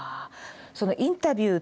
そのインタビュー